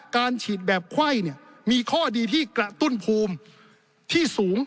การฉีดแบบไข้มีข้อดีที่กระตุ้นภูมิที่สูง